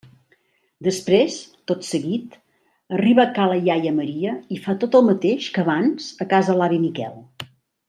Després, tot seguit, arriba a ca la iaia Maria i fa tot el mateix que abans a casa l'avi Miquel.